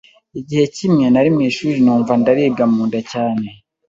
Igihe kimwe nari mu ishuri numva ndaribwa munda cyane